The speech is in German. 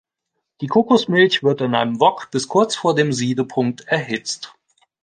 Die Kokosmilch wird in einem Wok bis kurz vor den Siedepunkt erhitzt.